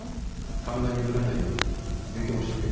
勘が鈍らないように勉強もしとけよ。